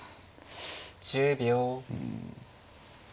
１０秒。